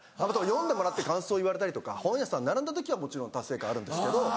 読んでもらって感想言われたりとか本屋さん並んだ時はもちろん達成感あるんですけど。